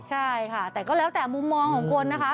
ใช่ค่ะแต่ก็แล้วแต่มุมมองของคนนะคะ